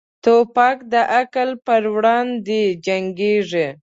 توپک د عقل پر وړاندې جنګيږي.